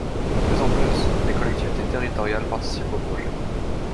De plus en plus, des collectivités territoriales participent aux projets.